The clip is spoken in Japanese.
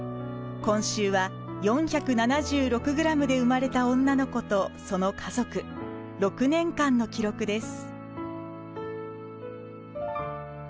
今週は４７６グラムで生まれた女の子とその家族６年間の記録です。